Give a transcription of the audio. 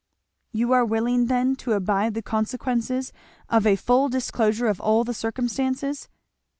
"You are willing then to abide the consequences of a full disclosure of all the circumstances?